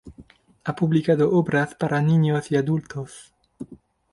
Ha publicado obras para niños y adultos.